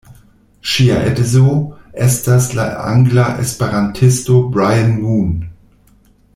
Ŝia edzo estas la angla esperantisto Brian Moon.